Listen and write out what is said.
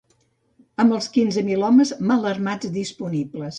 Amb els quinze mil homes mal armats disponibles